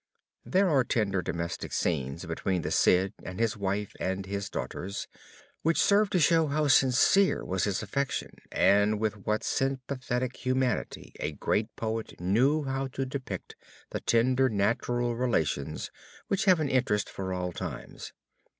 There are tender domestic scenes between the Cid and his wife and his daughters, which serve to show how sincere was his affection and with what sympathetic humanity a great poet knew how to depict the tender natural relations which have an interest for all times.